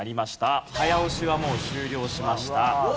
早押しはもう終了しました。